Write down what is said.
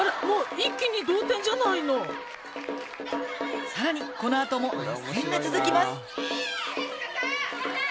もう一気に同点じゃないのさらにこの後も熱戦が続きます